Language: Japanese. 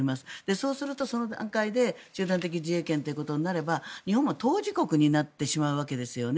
そうするとその段階で集団的自衛権ということになれば日本も当事国になってしまうわけですよね。